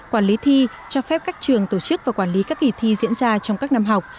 quản lý thi cho phép các trường tổ chức và quản lý các kỳ thi diễn ra trong các năm học